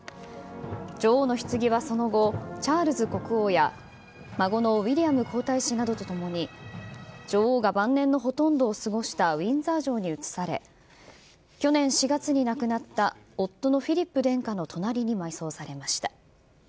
女王のひつぎはその後、チャールズ国王や孫のウィリアム皇太子などと共に、女王が晩年のほとんどを過ごしたウィンザー城に移され、去年４月に亡くなった夫のフィリップ殿下の隣に埋葬されました。